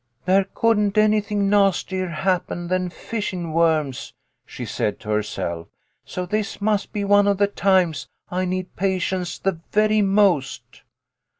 " There couldn't anything nastier happen than fish in ' worms," she said to herself, "so this must be one of the times I need patience the very most."